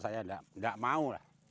saya tidak mau